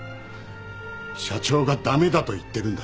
社長が駄目だと言ってるんだ。